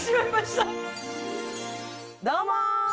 どうも！